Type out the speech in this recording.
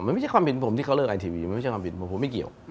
มันไม่ใช่ความเห็นผมที่เขาเลิกไอทีวีมันไม่ใช่ความผิดผมไม่เกี่ยว